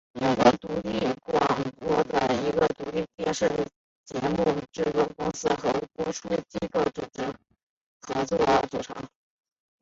英国独立广播是英国的一个由独立电视节目制作公司和播出机构组成的合作组织。